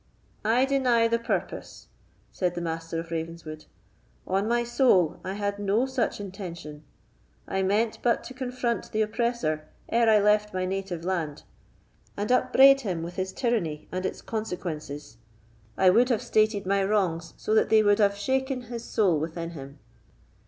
"I deny the purpose," said the Master of Ravenswood. "On my soul, I had no such intention; I meant but to confront the oppressor ere I left my native land, and upbraid him with his tyranny and its consequences. I would have stated my wrongs so that they would have shaken his soul within him."